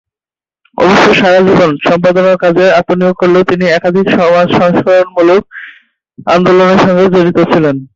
অবশ্য সারা জীবন সম্পাদনার কাজে আত্মনিয়োগ করলেও তিনি একাধিক সমাজ সংস্কারমূলক আন্দোলনের সঙ্গেও জড়িত ছিলেন।